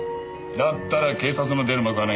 だったら警察の出る幕はないな。